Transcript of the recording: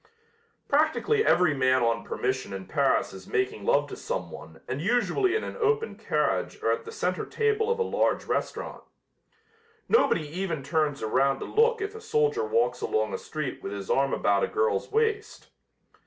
Practically every man on permission in Paris is making love to someone and usually in an open carriage or at the center table of a large restaurant. Nobody even turns around to look if a soldier walks along a street with his arm about a girl's waist.